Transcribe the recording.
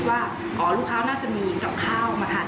เราก็คิดว่าอ๋อลูกค้าน่าจะมีกับข้าวมาทานเอง